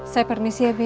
saya permisi ya be